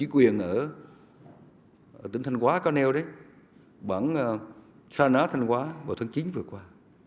quyền ở tỉnh thanh quá cá nêu đấy bảng sa ná thanh quá vào tháng chín vừa qua